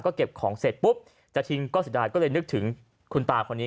ก็เก็บของเสร็จปุ๊บจะทิ้งก็เสียดายก็เลยนึกถึงคุณตาคนนี้